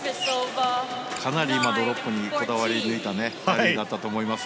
かなり今ドロップにこだわり抜いた配球だったと思います。